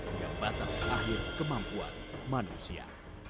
hingga batas akhir kemampuan manusia